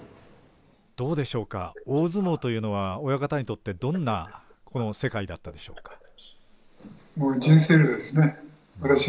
大相撲というのは親方にとってどんな世界だったでしょうか？